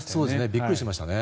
びっくりしました。